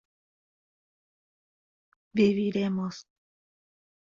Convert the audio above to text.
viviéremos